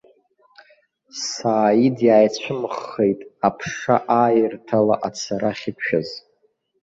Сааид иааицәымӷхеит аԥша ааирҭала ацара ахьиқәшәаз.